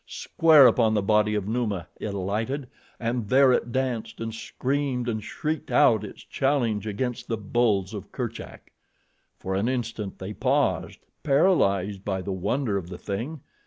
Square upon the body of Numa it alighted and there it danced and screamed and shrieked out its challenge against the bulls of Kerchak. For an instant they paused, paralyzed by the wonder of the thing.